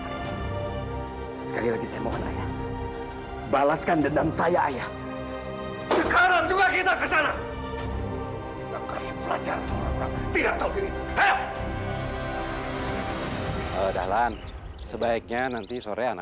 mempermarukan ayah di depan warga